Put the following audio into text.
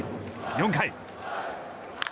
４回。